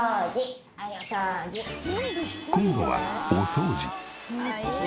今度はお掃除。